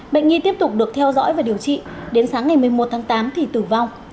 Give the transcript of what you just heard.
bệnh nhi tiếp tục được theo dõi và điều trị đến sáng ngày một mươi một tháng tám thì tử vong